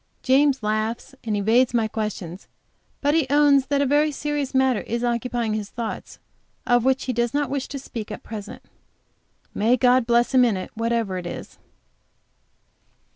James laughs, and evades my questions. But he owns that a very serious matter is occupying his thoughts, of which he does not wish to speak at present. May God bless him in it, whatever it is.